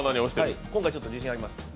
今回ちょっと自信あります。